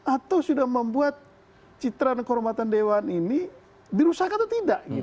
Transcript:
atau sudah membuat citra kehormatan dewan ini dirusak atau tidak